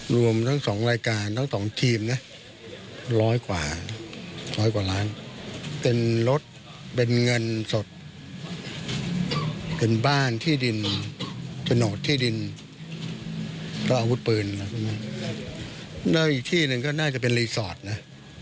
และอีกที่หนึ่งก็น่าจะเป็นรีสอร์ทนะ